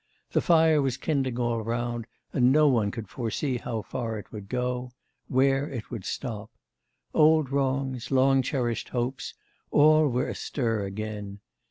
The fire was kindling all round, and no one could foresee how far it would go where it would stop. Old wrongs, long cherished hopes all were astir again.